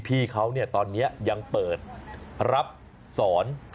พี่เขาตอนนี้ยังเปิดรับสอน